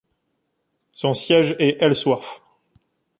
Son siège est Ellsworth.